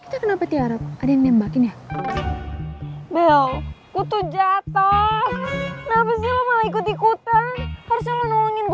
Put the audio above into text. kita kenapa tiara ada yang nembakin ya bel butuh jatoh nafsu ikut ikutan harusnya nolongin